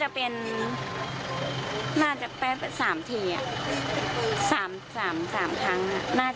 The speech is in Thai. มันเป็นแบบที่สุดท้าย